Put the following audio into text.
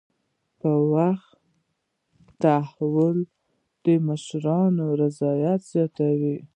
په وخت تحویل د مشتری رضایت زیاتوي.